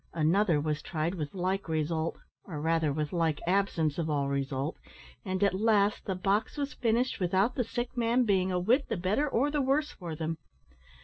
Another was tried with like result or rather with like absence of all result, and at last the box was finished without the sick man being a whit the better or the worse for them.